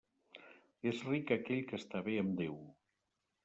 És ric aquell que està bé amb Déu.